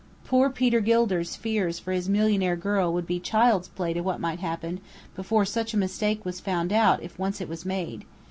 Poor Peter Gilder's fears for his millionaire girl would be child's play to what might happen, before such a mistake was found out if once it was made.